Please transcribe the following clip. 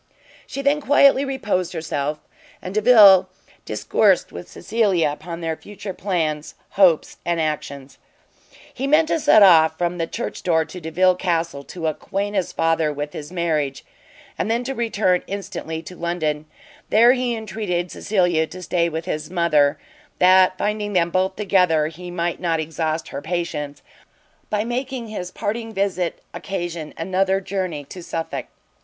She then quietly reposed herself, and Delvile discoursed with Cecilia upon their future plans, hopes and actions. He meant to set off from the church door to Delvile Castle, to acquaint his father with his marriage, and then to return instantly to London: there he entreated Cecilia to stay with his mother, that, finding them both together, he might not exhaust her patience, by making his parting visit occasion another journey to Suffolk.